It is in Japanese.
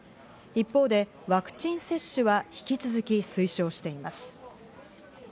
一方でワクチン接種は引き続き推奨しています。